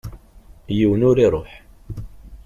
Yiwen ur iṛuḥ.